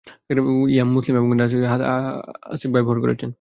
ইমাম মুসলিম এবং নাসাঈও হাদীসটি বর্ণনা করেছেন।